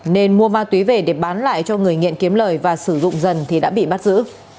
nên mua ma túy về để bán lại cho người nghiện kiếm lời và sử dụng dần thì đã bị bắt giữ